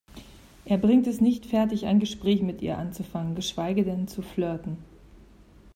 Er bringt es nicht fertig, ein Gespräch mit ihr anzufangen, geschweige denn zu flirten.